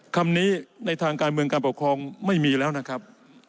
คำนี้ในทางการเมืองการปกครองไม่มีแล้วนะครับ